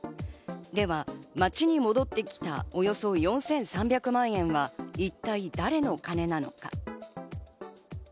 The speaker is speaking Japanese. では、町に戻ってきたおよそ４３００万円は一体誰の金なのか？